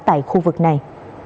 tại khu vực này